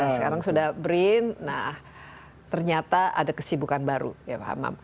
sekarang sudah brin nah ternyata ada kesibukan baru ya pak hamam